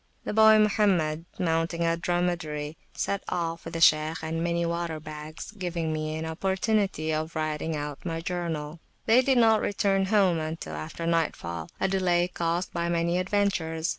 The boy Mohammed, mounting a dromedary, set off with the Shaykh and many water bags, giving me an opportunity of writing out my journal. They did not return home until after nightfall, a delay caused by many adventures.